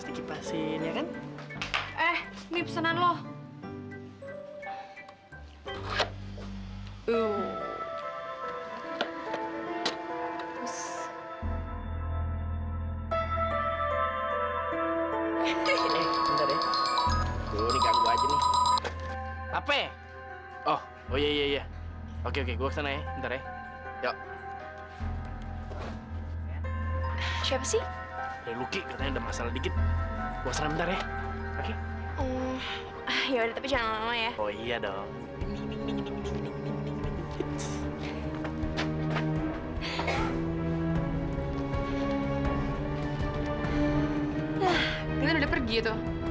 ih saya disecir cepat